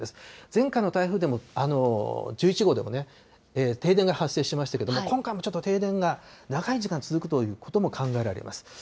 前回の台風でも、１１号でもね、停電が発生しましたけれども、今回もちょっと停電が長い時間続くということも考えられます。